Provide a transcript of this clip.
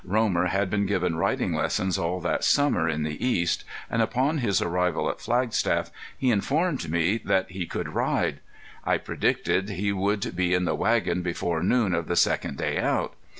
Romer had been given riding lessons all that summer in the east, and upon his arrival at Flagstaff he informed me that he could ride. I predicted he would be in the wagon before noon of the second day out.